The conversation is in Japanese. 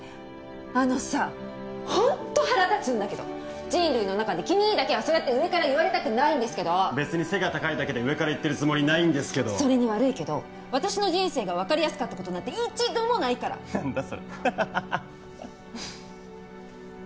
あのさホント腹立つんだけど人類の中で君にだけはそうやって上から言われたくないんですけど別に背が高いだけで上から言ってるつもりないんですけどそれに悪いけど私の人生が分かりやすかったことなんて一度もないから何だそれハハハハハ